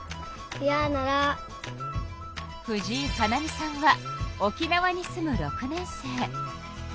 藤井可菜美さんは沖縄に住む６年生。